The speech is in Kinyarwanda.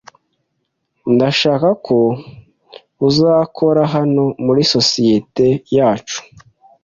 Ndashaka ko uza gukora hano muri sosiyete yacu.